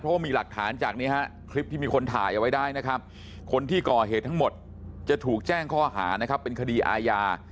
เพราะว่ามีหลักฐานจากนี้ฮะคลิปที่มีคนถ่ายเอาไว้ได้นะครับคนที่ก่อเหตุทั้งหมดจะถูกแจ้งข้อหานะครับเป็นคดีอาญา